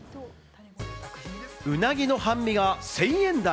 鰻の半身が１０００円台。